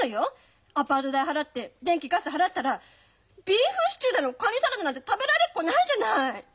アパート代払って電気ガス払ったらビーフシチューだのカニサラダなんて食べられっこないじゃない！